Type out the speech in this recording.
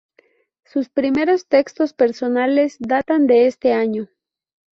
Sus primeros textos personales datan de este año.